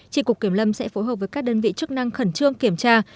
trị cục kiểm lâm sẽ phối hợp với các đơn vị chức năng khẩn trương kiểm tra